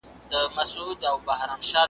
او کرغېړنو کلماتو وینا کوله .